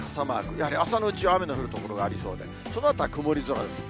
やはり朝のうちは雨の降る所がありそうで、そのあとは曇り空です。